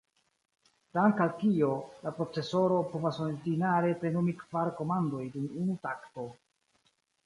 Dank’ al kio, la procesoro povas ordinare plenumi kvar komandoj dum unu takto.